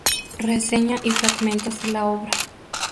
Reseña y fragmentos de la obra.